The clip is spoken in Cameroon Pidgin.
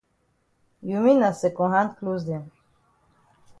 You mean na second hand closs dem.